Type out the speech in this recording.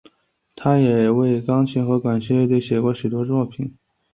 他也为钢琴和管弦乐队写过许多作品。